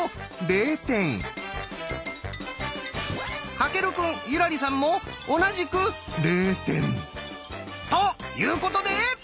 翔くん優良梨さんも同じく０点。ということで！